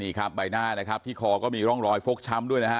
นี่ครับใบหน้านะครับที่คอก็มีร่องรอยฟกช้ำด้วยนะฮะ